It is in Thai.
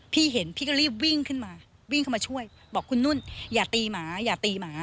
พี่เห็นพี่ก็รีบวิ่งขึ้นมาวิ่งเข้ามาช่วยบอกคุณนุ่นอย่าตีหมาอย่าตีหมา